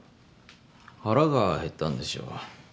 腹が減ったんでしょう。